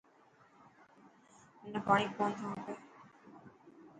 منا پاڻي ڪونٿو کپي.